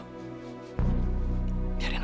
aku ke atas dulu